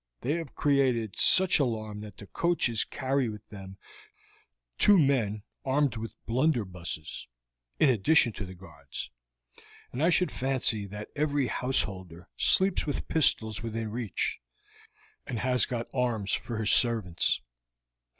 They have created such alarm that the coaches carry with them two men armed with blunderbusses, in addition to the guards, and I should fancy that every householder sleeps with pistols within reach, and has got arms for his servants.